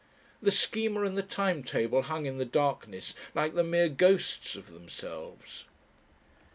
The Schema and the time table hung in the darkness like the mere ghosts of themselves.